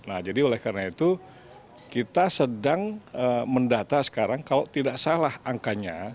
nah jadi oleh karena itu kita sedang mendata sekarang kalau tidak salah angkanya